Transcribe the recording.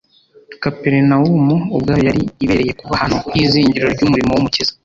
kaperinawumu ubwayo yari ibereye kuba ahantu h’izingiro ry’umurimo w’umukiza